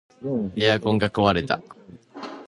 エアコンが壊れた